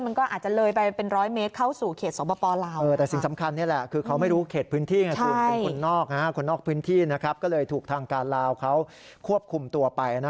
มันก็อาจจะเลยไปเป็น๑๐๐เมตรเข้าสู่เขตสวบปลอลาว